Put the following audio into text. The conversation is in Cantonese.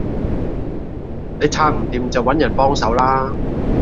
你拆唔掂就搵人幫手啦